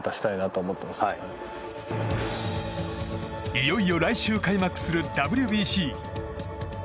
いよいよ来週、開幕するＷＢＣ。